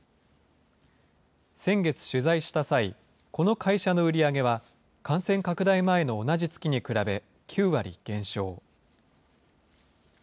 先月取材した際、この会社の売り上げは感染拡大前の同じ月に比べ９割減少。